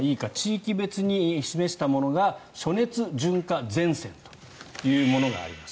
地域別に示したものが暑熱順化前線というものがあります。